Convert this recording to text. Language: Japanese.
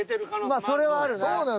まあそれはあるな。